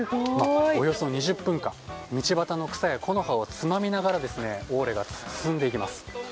およそ２０分間道端の草や木の葉をつまみながらオーレが進んでいきます。